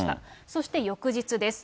そして翌日です。